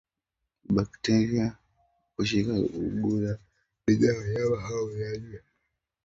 bakteria kushika au kugusa bidhaa za wanyama hao na ulaji wa nyama iliyoathirika